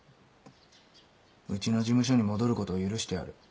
うちの事務所に戻ることを許してやる。